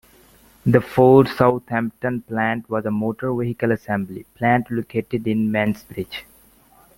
The Ford Southampton plant was a motor vehicle assembly plant, located in Mansbridge.